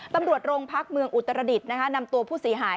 ตำรวจโรงพักเมืองอุตรดิษฐ์นำตัวผู้เสียหาย